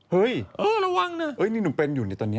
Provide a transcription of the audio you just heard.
ฮื้ยเออระวังนะอุ๊ยนี่หนูเป็นอยู่นะตอนนี้